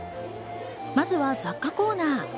まずは雑貨コーナー。